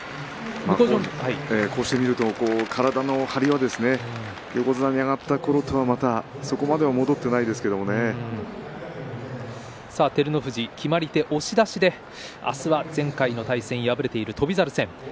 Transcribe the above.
こうして見ると体の張りが横綱に上がったころとはまたそこまでは照ノ富士は押し出しで明日は前回敗れている翔猿戦です。